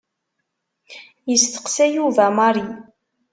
Yesteqsa Yuba Mary.